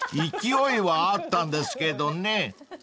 ［勢いはあったんですけどね］